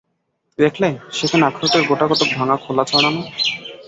দেখলে, সেখানে আখরোটের গোটাকতক ভাঙা খোলা ছড়ানো।